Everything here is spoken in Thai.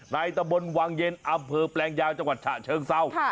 ตะบนวังเย็นอำเภอแปลงยาวจังหวัดฉะเชิงเศร้า